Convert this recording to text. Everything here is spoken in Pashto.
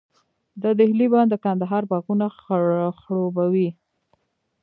د دهلې بند د کندهار باغونه خړوبوي.